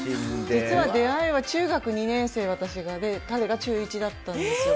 実は出会いは中学２年生、私がね、彼が中１だったんですよ。